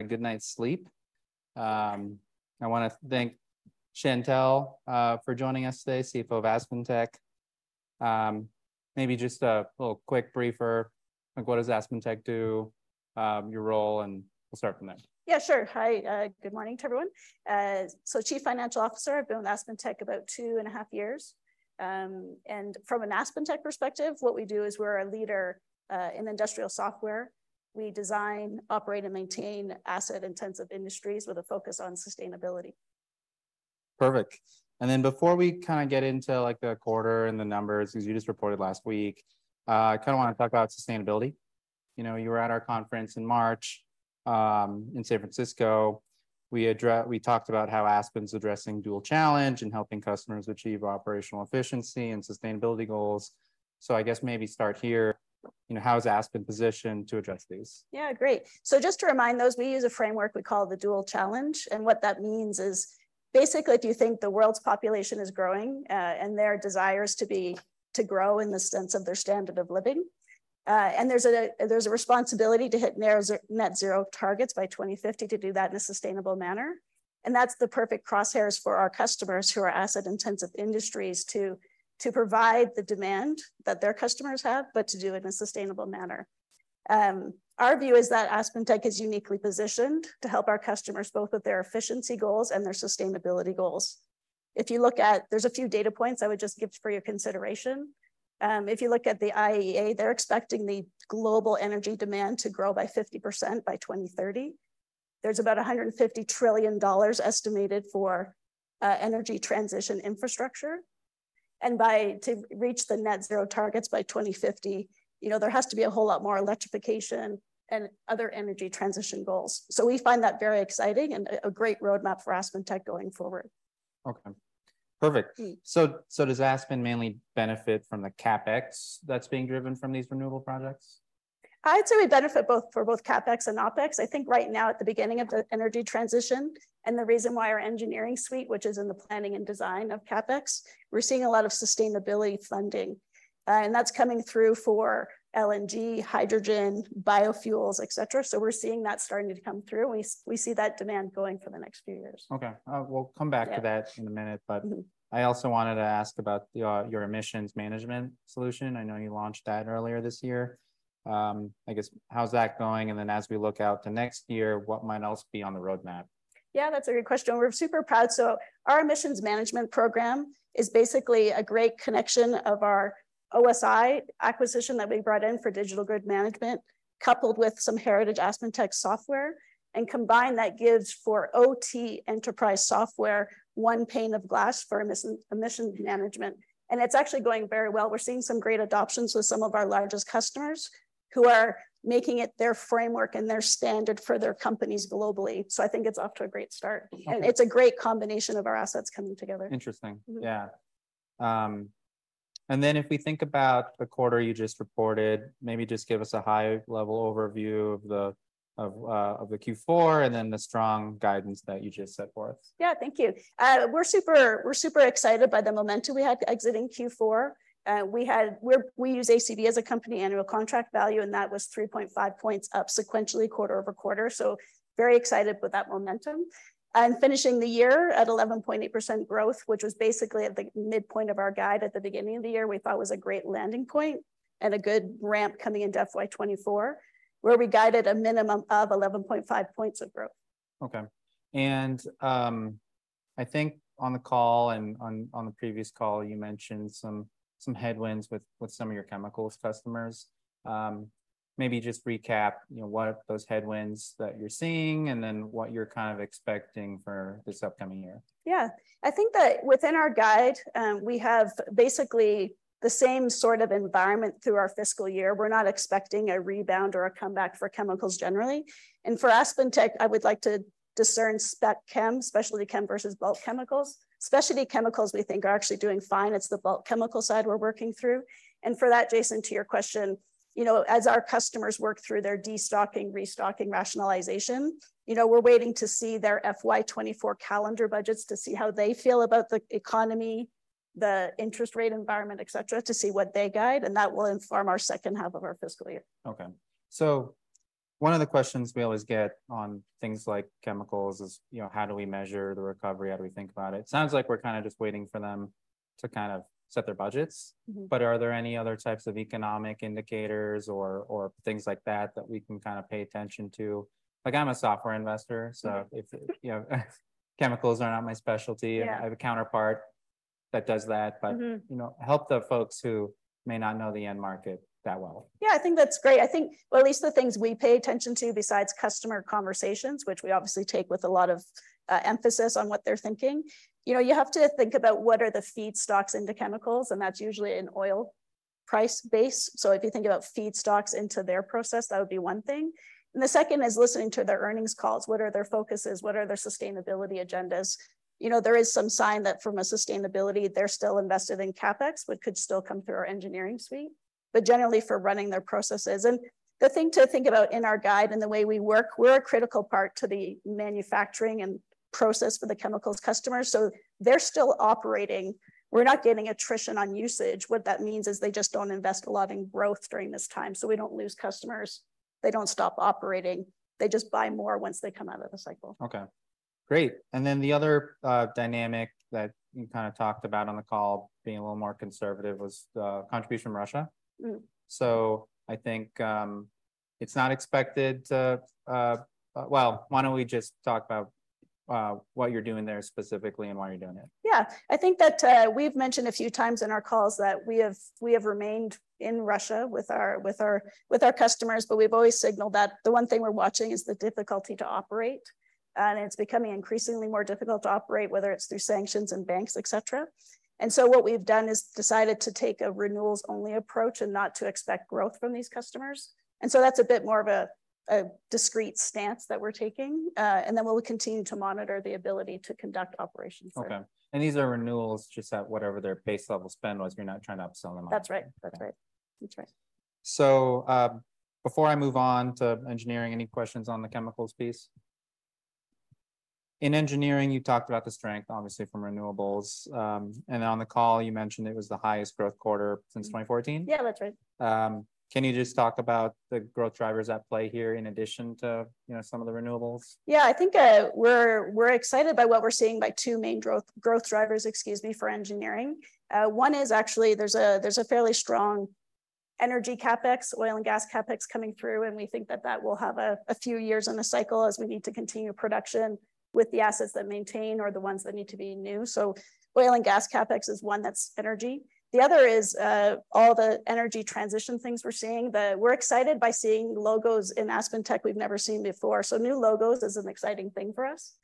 A good night's sleep. I wanna thank Chantelle for joining us today, CFO of AspenTech. maybe just a little quick briefer, like, what does AspenTech do, your role, and we'll start from there. Yeah, sure. Hi, good morning to everyone. So Chief Financial Officer, I've been with AspenTech about two and a half years. From an AspenTech perspective, what we do is we're a leader in industrial software. We design, operate, and maintain asset-intensive industries with a focus on sustainability. Perfect. Before we kind of get into, like, the quarter and the numbers, because you just reported last week, I kind of want to talk about sustainability. You know, you were at our conference in March, in San Francisco. We talked about how Aspen's addressing Dual Challenge and helping customers achieve operational efficiency and sustainability goals. I guess maybe start here, you know, how is Aspen positioned to address these? Yeah. Great. Just to remind those, we use a framework we call the Dual Challenge, and what that means is, basically, if you think the world's population is growing, and their desires to be- to grow in the sense of their standard of living, and there's a, there's a responsibility to hit net zero targets by 2050 to do that in a sustainable manner. That's the perfect crosshairs for our customers who are asset-intensive industries, to, to provide the demand that their customers have, but to do it in a sustainable manner. Our view is that AspenTech is uniquely-positioned to help our customers, both with their efficiency goals and their sustainability goals. If you look at. There's a few data points I would just give for your consideration. If you look at the IEA, they're expecting the global energy demand to grow by 50% by 2030. There's about $150 trillion estimated for energy transition infrastructure, and by- to reach the net zero targets by 2050, you know, there has to be a whole lot more electrification and other energy transition goals. We find that very exciting, and a great roadmap for AspenTech going forward. Okay. Perfect. Mm. Does Aspen mainly benefit from the CapEx that's being driven from these renewable projects? I'd say we benefit both, for both CapEx and OpEx. I think right now, at the beginning of the energy transition, the reason why our Engineering Suite, which is in the planning and design of CapEx, we're seeing a lot of sustainability funding. That's coming through for LNG, hydrogen, biofuels, etc. We're seeing that starting to come through, and we see that demand going for the next few years. Okay. We'll come back to that- Yeah. In a minute, but... Mm-hmm. I also wanted to ask about your, your Emissions Management solution. I know you launched that earlier this year. I guess, how's that going? Then, as we look out to next year, what might else be on the roadmap? Yeah, that's a good question, and we're super proud. Our Emissions Management program is basically a great connection of our OSI acquisition that we brought in for Digital Grid Management, coupled with some heritage AspenTech software. Combined, that gives, for OT enterprise software, one pane of glass for Emissions Management, and it's actually going very well. We're seeing some great adoptions with some of our largest customers, who are making it their framework and their standard for their companies globally. I think it's off to a great start. Okay. It's a great combination of our assets coming together. Interesting. Mm-hmm. Yeah. If we think about the quarter you just reported, maybe just give us a high-level overview of the, of the Q4, and then the strong guidance that you just set forth? Yeah. Thank you. We're super, we're super excited by the momentum we had exiting Q4. We use ACV as a company, annual contract value, and that was 3.5 points up sequentially, quarter-over-quarter, so very excited with that momentum. Finishing the year at 11.8% growth, which was basically at the midpoint of our guide at the beginning of the year, we thought was a great landing point, and a good ramp coming into FY 2024, where we guided a minimum of 11.5 points of growth. Okay. I think on the call and on, on the previous call, you mentioned some, some headwinds with, with some of your chemicals customers. Maybe just recap, you know, what are those headwinds that you're seeing, and then what you're kind of expecting for this upcoming year. Yeah. I think that within our guide, we have basically the same sort of environment through our fiscal year. We're not expecting a rebound or a comeback for chemicals generally, and for AspenTech, I would like to discern spec chem, specialty chem, versus bulk chemicals. Specialty chemicals, we think, are actually doing fine. It's the bulk chemical side we're working through, and for that, Jason, to your question, you know, as our customers work through their destocking, restocking, rationalization, you know, we're waiting to see their FY 2024 calendar budgets to see how they feel about the economy, the interest rate environment, etc., to see what they guide, and that will inform our second half of our fiscal year. Okay. One of the questions we always get on things like chemicals is, you know, how do we measure the recovery? How do we think about it? Sounds like we're kind of just waiting for them to kind of set their budgets. Mm-hmm. Are there any other types of economic indicators or, or things like that, that we can kind of pay attention to? Like, I'm a software investor. So, you know, chemicals are not my specialty. Yeah. I have a counterpart that does that. Mm-hmm. You know, help the folks who may not know the end-market that well. Yeah, I think that's great. I think, well, at least the things we pay attention to besides customer conversations, which we obviously take with a lot of emphasis on what they're thinking, you know, you have to think about what are the feedstocks into chemicals, and that's usually an oil price base. If you think about feedstocks into their process, that would be one thing. The second is listening to their earnings calls. What are their focuses? What are their sustainability agendas? You know, there is some sign that from a sustainability, they're still invested in CapEx, which could still come through our Engineering Suite, but generally for running their processes. The thing to think about in our guide and the way we work, we're a critical part to the manufacturing and process for the chemicals customers, so they're still operating. We're not getting attrition on usage. What that means is they just don't invest a lot in growth during this time. We don't lose customers. They don't stop operating. They just buy more once they come out of the cycle. Okay. Great! Then the other dynamic that you kind of talked about on the call, being a little more conservative, was the contribution from Russia. Mm. I think. Why don't we just talk about what you're doing there specifically and why you're doing it? Yeah. I think that we've mentioned a few times in our calls that we have remained in Russia with our customers. We've always signaled that the one thing we're watching is the difficulty to operate, it's becoming increasingly more difficult to operate, whether it's through sanctions and banks, etc. What we've done is decided to take a renewals-only approach and not to expect growth from these customers. That's a bit more of a discrete stance that we're taking. Then we'll continue to monitor the ability to conduct operations there. Okay. These are renewals just at whatever their base level spend was. You're not trying to upsell them on. That's right. Okay. That's right. That's right. Before I move on to Engineering, any questions on the chemicals piece? In Engineering, you talked about the strength, obviously, from renewables. On the call you mentioned it was the highest growth quarter since 2014? Yeah, that's right. Can you just talk about the growth drivers at play here, in addition to, you know, some of the renewables? Yeah, I think, we're, we're excited by what we're seeing by two main growth drivers, excuse me, for Engineering. One is actually there's a, there's a fairly strong energy CapEx, oil and gas CapEx coming through, and we think that that will have a, a few years in the cycle as we need to continue production with the assets that maintain or the ones that need to be new. Oil and gas CapEx is one, that's energy. The other is, all the energy transition things we're seeing. We're excited by seeing logos in AspenTech we've never seen before. New logos is an exciting thing for us.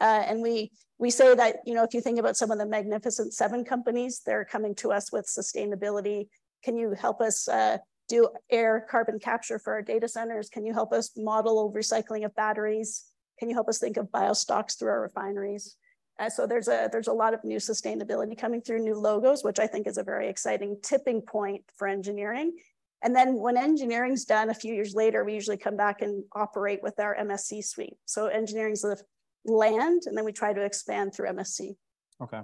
And we, we say that, you know, if you think about some of the Magnificent Seven companies, they're coming to us with sustainability: "Can you help us, do air carbon capture for our data centers? Can you help us model recycling of batteries? Can you help us think of biostocks through our refineries?" There's a lot of new sustainability coming through, new logos, which I think is a very exciting tipping point for Engineering. When Engineering's done a few years later, we usually come back and operate with our MSC suite. Engineering's the land, and then we try to expand through MSC. Okay.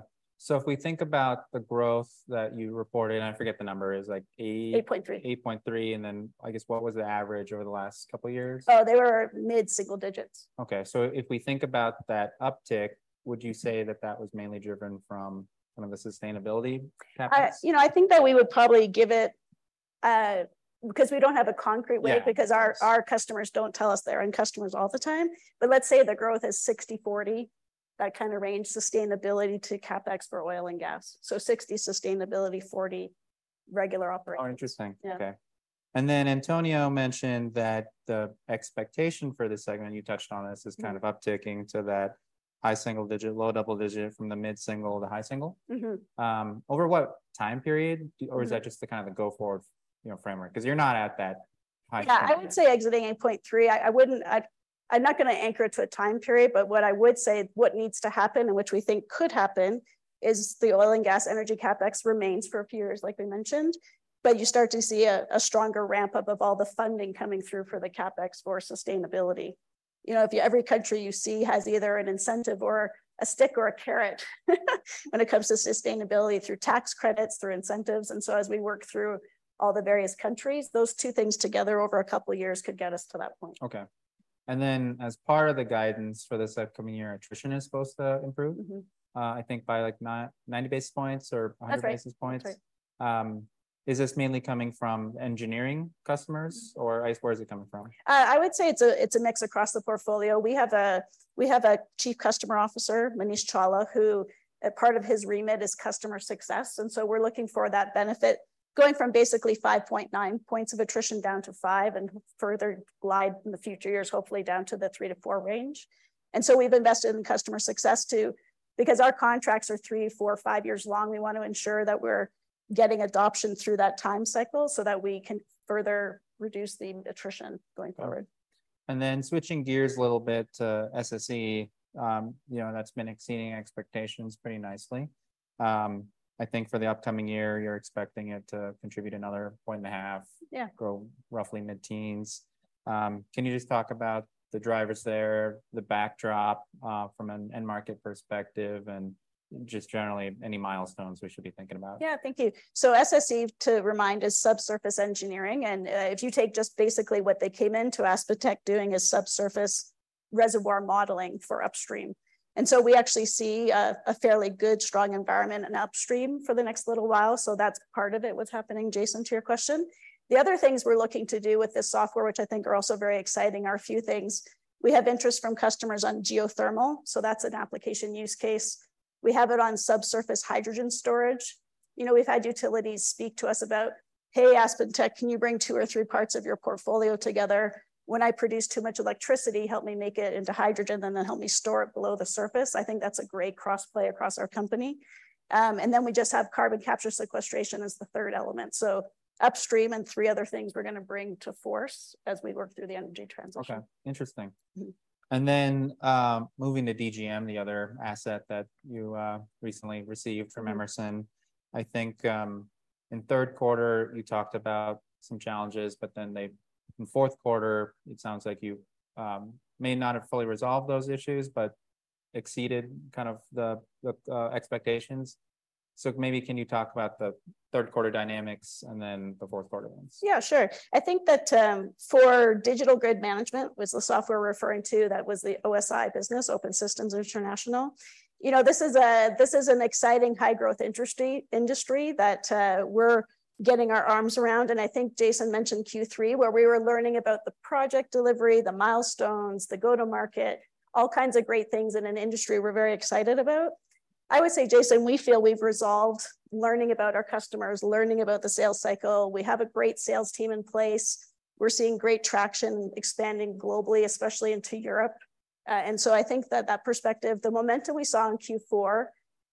If we think about the growth that you reported, and I forget the number, it was like eight- 8.3. 8.3. Then I guess, what was the average over the last couple of years? Oh, they were mid-single-digits. Okay. If we think about that uptick, would you say that that was mainly driven from kind of the sustainability CapEx? I, you know, I think that we would probably give it, because we don't have a concrete way- Yeah. Because our, our customers don't tell us their end customers all the time. Let's say the growth is 60/40, that kind of range, sustainability to CapEx for oil and gas. 60 sustainability, 40 regular operating. Oh, interesting. Yeah. Okay. Antonio mentioned that the expectation for this segment, you touched on this- Mm-hmm. Is kind of upticking to that high single-digit, low double-digit from the mid-single to high single. Mm-hmm. Over what time period? Mm. Is that just the kind of the go-forward, you know, framework? 'Cause you're not at that high single-digit. Yeah. I would say exiting 8.3, I'm not gonna anchor it to a time period, but what I would say, what needs to happen, and which we think could happen, is the oil and gas energy CapEx remains for a few years, like we mentioned, but you start to see a stronger ramp-up of all the funding coming through for the CapEx for sustainability. You know, if every country you see has either an incentive or a stick or a carrot, when it comes to sustainability through tax credits, through incentives. So as we work through all the various countries, those two things together over a couple of years could get us to that point. Okay. Then, as part of the guidance for this upcoming year, attrition is supposed to improve? Mm-hmm. I think by like 90 basis points. That's right. 100 basis points. That's right. Is this mainly coming from Engineering customers? Or, where is it coming from? I would say it's a mix across the portfolio. We have a Chief Customer Officer, Manish Chawla, who, a part of his remit is customer success. So we're looking for that benefit, going from basically 5.9 points of attrition down to five, and further glide in the future years, hopefully down to the three-to-four range. So we've invested in customer success too. Because our contracts are three, four, five years long, we want to ensure that we're getting adoption through that time cycle so that we can further reduce the attrition going forward. Okay. Then switching gears a little bit to SSE, you know, that's been exceeding expectations pretty nicely. I think for the upcoming year, you're expecting it to contribute another 1.5 points. Yeah. Grow roughly mid-teens. Can you just talk about the drivers there, the backdrop, from an end-market perspective, and just generally any milestones we should be thinking about? Yeah, thank you. SSE, to remind, is subsurface engineering, and if you take just basically what they came in to AspenTech doing is subsurface reservoir modeling for upstream. We actually see a fairly good, strong environment in upstream for the next little while, so that's part of it, what's happening, Jason, to your question. The other things we're looking to do with this software, which I think are also very exciting, are a few things. We have interest from customers on geothermal, so that's an application use case. We have it on subsurface hydrogen storage. You know, we've had utilities speak to us about: "Hey, AspenTech, can you bring two or three parts of your portfolio together? When I produce too much electricity, help me make it into hydrogen, and then help me store it below the surface." I think that's a great cross-play across our company. Then we just have carbon capture sequestration as the third element. Upstream and three other things we're gonna bring to force as we work through the energy transition. Okay. Interesting. Mm-hmm. Moving to DGM, the other asset that you recently received from Emerson. Mm-hmm. I think, in third quarter, you talked about some challenges. Fourth quarter, it sounds like you may not have fully resolved those issues, but exceeded kind of the, the expectations. Maybe can you talk about the third-quarter dynamics, and then the fourth quarter ones? Yeah, sure. I think that, for Digital Grid Management, was the software we're referring to, that was the OSI business, Open Systems International. You know, this is a, this is an exciting high-growth industry, industry that, we're getting our arms around, and I think Jason mentioned Q3, where we were learning about the project delivery, the milestones, the go-to-market, all kinds of great things in an industry we're very excited about. I would say, Jason, we feel we've resolved learning about our customers, learning about the sales cycle. We have a great sales team in place. We're seeing great traction expanding globally, especially into Europe. So I think that that perspective, the momentum we saw in Q4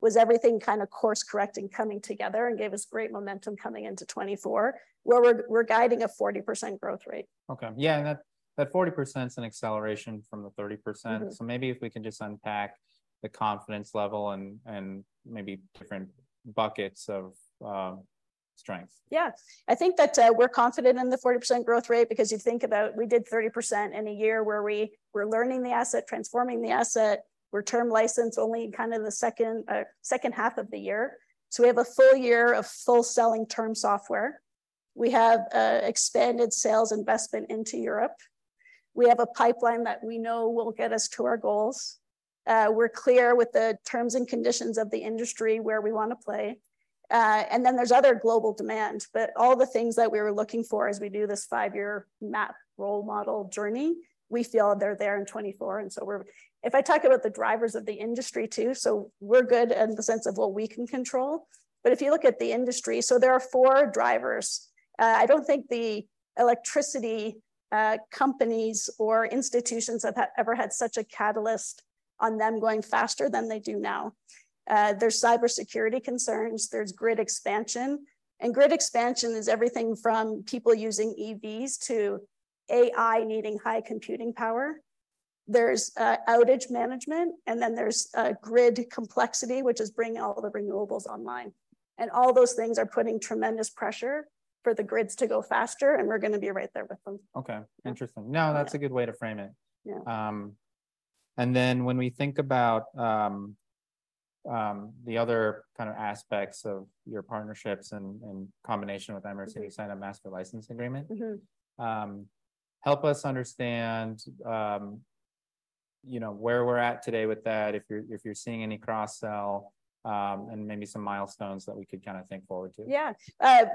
was everything kind of course-correct and coming together, and gave us great momentum coming into 2024, where we're, we're guiding a 40% growth rate. Okay. Yeah, that 40%'s an acceleration from the 30%. Mm-hmm. Maybe if we can just unpack the confidence level, and, and maybe different buckets of strengths. Yeah. I think that, we're confident in the 40% growth rate, because you think about we did 30% in a year where we were learning the asset, transforming the asset. We're term licensed only in kind of the second, second half of the year. We have a full year of full-selling term software. We have, expanded sales investment into Europe. We have a pipeline that we know will get us to our goals. We're clear with the terms and conditions of the industry where we want to play. Then there's other global demand, but all the things that we were looking for as we do this five-year mat role model journey, we feel they're there in 2024, and so we're... If I talk about the drivers of the industry, too, so we're good in the sense of what we can control. If you look at the industry, so there are four drivers. I don't think the electricity companies or institutions have had, ever had such a catalyst on them going faster than they do now. There's cybersecurity concerns, there's grid expansion, and grid expansion is everything from people using EVs to AI needing high computing power. There's outage management, and then there's grid complexity, which is bringing all the renewables online. All those things are putting tremendous pressure for the grids to go faster, and we're gonna be right there with them. Okay, interesting. No, that's a good way to frame it. Yeah. Then when we think about, the other kind of aspects of your partnerships and combination with Emerson... Mm-hmm. you signed a Master License Agreement. Mm-hmm. Help us understand, you know, where we're at today with that, if you're, if you're seeing any cross-sell, and maybe some milestones that we could kind of think forward to. Yeah.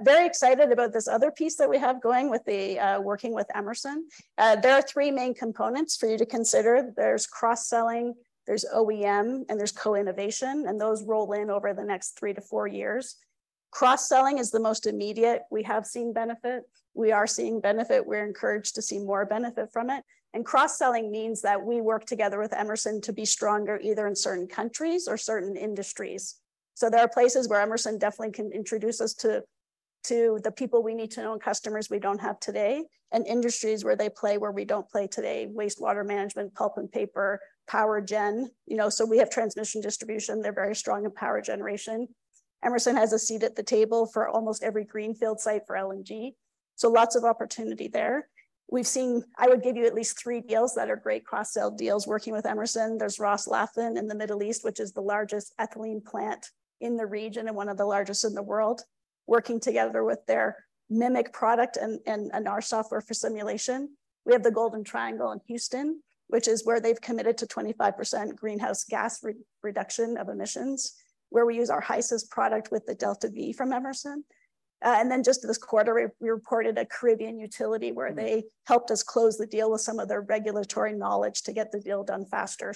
Very excited about this other piece that we have going with the working with Emerson. There are three main components for you to consider. There's cross-selling, there's OEM, and there's co-innovation, and those roll in over the next three to four years. Cross-selling is the most immediate. We have seen benefit. We are seeing benefit. We're encouraged to see more benefit from it. Cross-selling means that we work together with Emerson to be stronger, either in certain countries or certain industries. There are places where Emerson definitely can introduce us to, to the people we need to know, and customers we don't have today, and industries where they play, where we don't play today: wastewater management, pulp and paper, power gen. You know, we have transmission distribution. They're very strong in power generation. Emerson has a seat at the table for almost every greenfield site for LNG, lots of opportunity there. We've seen... I would give you at least three deals that are great cross-sell deals working with Emerson. There's Ras Laffan in the Middle East, which is the largest ethylene plant in the region and one of the largest in the world, working together with their Mimic product and our software for simulation. We have the Golden Triangle in Houston, which is where they've committed to 25% greenhouse gas reduction of emissions, where we use our HYSYS product with the DeltaV from Emerson. Then just this quarter, we reported a Caribbean utility. Mm. Where they helped us close the deal with some of their regulatory knowledge to get the deal done faster.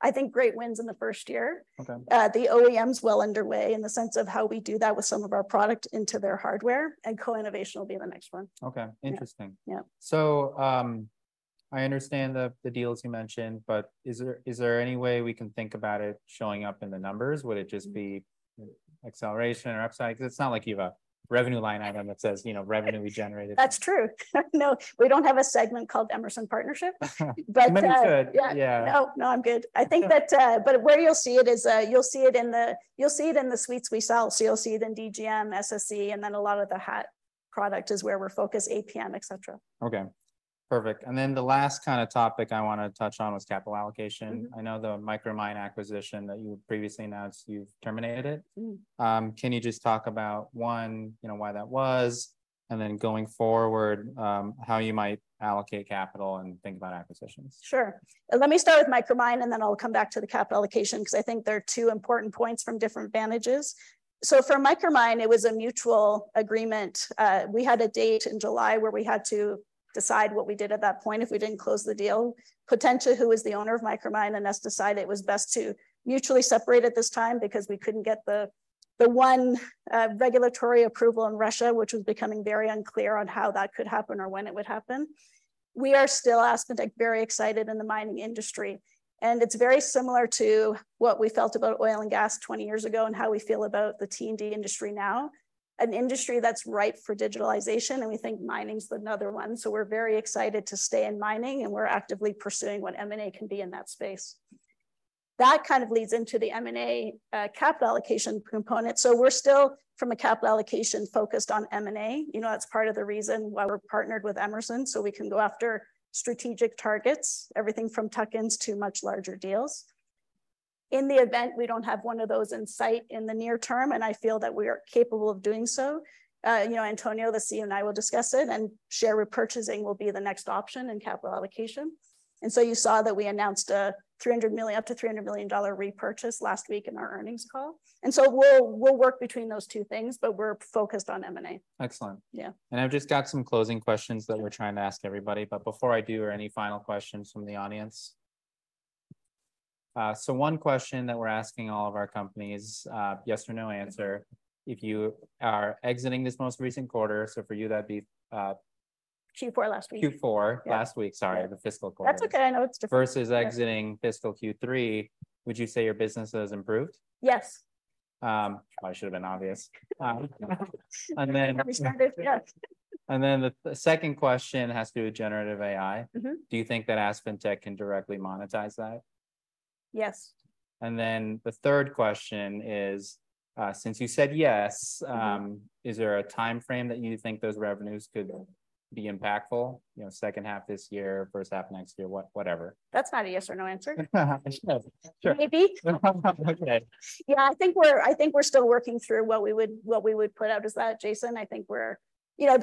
I think great wins in the first year. Okay. The OEM's well-underway in the sense of how we do that with some of our product into their hardware, and co-innovation will be the next one. Okay. Yeah. Interesting. Yeah. I understand the, the deals you mentioned, but is there, is there any way we can think about it showing up in the numbers? Mm. Would it just be acceleration or upside? 'Cause it's not like you have a revenue line item that says, you know, "Revenue we generated." That's true. No, we don't have a segment called Emerson Partnership, but, Maybe you should. Yeah. Yeah. No, no, I'm good. Okay. I think that, where you'll see it is, you'll see it in the suites we sell. You'll see it in DGM, SSE, and then a lot of the [HAT product] is where we're focused, APM, etc. Okay, perfect. Then the last kind of topic I wanna touch on was capital allocation. Mm-hmm. I know the Micromine acquisition that you previously announced, you've terminated it. Mm. Can you just talk about, one, you know, why that was, and then going forward, how you might allocate capital and think about acquisitions? Sure. Let me start with Micromine, and then I'll come back to the capital allocation, 'cause I think there are two important points from different vantages. For Micromine, it was a mutual agreement. We had a date in July where we had to decide what we did at that point, if we didn't close the deal. Potentia, who was the owner of Micromine, and us decided it was best to mutually separate at this time because we couldn't get the one regulatory approval in Russia, which was becoming very unclear on how that could happen or when it would happen. We are still, AspenTech, very excited in the mining industry, and it's very similar to what we felt about oil and gas 20 years ago, and how we feel about the T&D industry now, an industry that's ripe for digitalization, and we think mining's another one. We're very excited to stay in mining, and we're actively pursuing what M&A can be in that space. That kind of leads into the M&A capital allocation component. We're still, from a capital allocation, focused on M&A. You know, that's part of the reason why we're partnered with Emerson, so we can go after strategic targets, everything from tuck-ins to much larger deals.... in the event we don't have one of those in sight in the near term, and I feel that we are capable of doing so, you know, Antonio, the CEO, and I will discuss it, and share repurchasing will be the next option in capital allocation. You saw that we announced a $300 million, up to $300 million dollar repurchase last week in our earnings call. We'll work between those two things, but we're focused on M&A. Excellent. Yeah. I've just got some closing questions that we're trying to ask everybody. Before I do, are there any final questions from the audience? One question that we're asking all of our companies, yes or no answer, if you are exiting this most recent quarter, so for you, that'd be. Q4 last week. Q4. Yeah. Last week, sorry, the fiscal quarter. That's okay. I know it's different. Versus exiting fiscal Q3, would you say your business has improved? Yes. Probably should've been obvious. Then- We started, yes. Then the, the second question has to do with generative AI. Mm-hmm. Do you think that AspenTech can directly monetize that? Yes. The third question is, since you said yes, is there a time frame that you think those revenues could be impactful? You know, second half this year, first half next year, what- whatever. That's not a yes or no answer. It's not. Sure. Maybe? Okay. Yeah, I think we're still working through what we would put out as that, Jason. You know,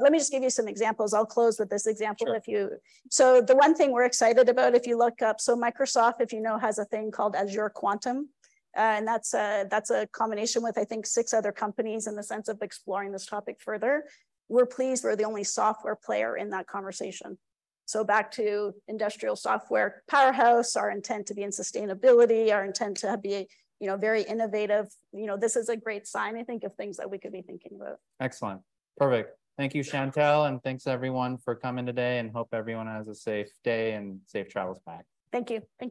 let me just give you some examples. I'll close with this example. Sure. The one thing we're excited about, if you look up, so Microsoft, if you know, has a thing called Azure Quantum. That's a, that's a combination with, I think, six other companies in the sense of exploring this topic further. We're pleased we're the only software player in that conversation. Back to industrial software powerhouse, our intent to be in sustainability, our intent to be, you know, very innovative. You know, this is a great sign, I think, of things that we could be thinking about. Excellent. Perfect. Thank you, Chantelle. Thanks, everyone, for coming today. Hope everyone has a safe day and safe travels back. Thank you. Thank you.